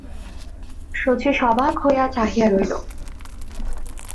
শচীশ অবাক হইয়া চাহিয়া রহিল।